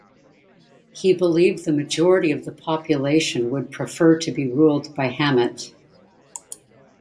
He believed the majority of the population would prefer to be ruled by Hamet.